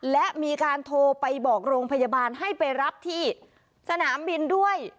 และมีการโทรไปบอกโรงพยาบาลให้ไปรับที่สนามบินด้วย